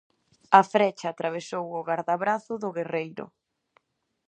A frecha atravesou o gardabrazo do guerreiro.